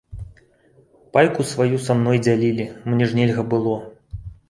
Пайку сваю са мной дзялілі, мне ж нельга было!